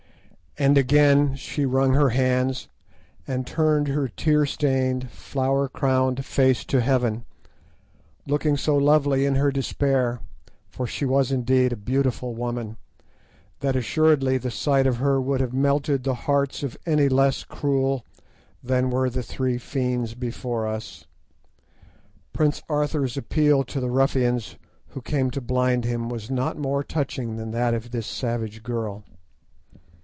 And again she wrung her hands and turned her tear stained flower crowned face to Heaven, looking so lovely in her despair—for she was indeed a beautiful woman—that assuredly the sight of her would have melted the hearts of any less cruel than were the three fiends before us. Prince Arthur's appeal to the ruffians who came to blind him was not more touching than that of this savage girl.